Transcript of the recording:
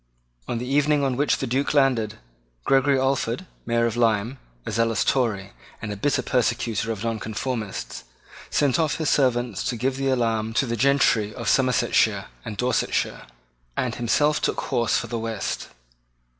On the evening on which the Duke landed, Gregory Alford, Mayor of Lyme, a zealous Tory, and a bitter persecutor of Nonconformists, sent off his servants to give the alarm to the gentry of Somersetshire and Dorsetshire, and himself took horse for the West.